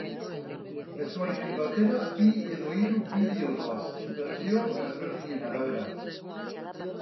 Mezuarekin batera bi edo hiru bideo doaz, bertsio ezberdinen arabera.